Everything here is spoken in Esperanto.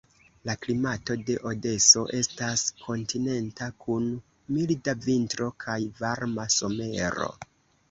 La klimato de Odeso estas kontinenta kun milda vintro kaj varma somero.